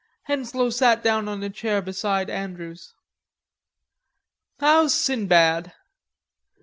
Henslowe sat down on a chair beside Andrews. "How's Sinbad?"